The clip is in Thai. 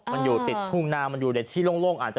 มันอยู่ติดทุ่งน้ำมันอยู่ในที่โล่ง